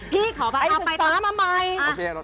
พี่ขออภัยตามมาใหม่